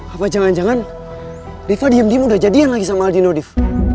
apa jangan jangan riva diem diem udah jadian lagi sama aldino div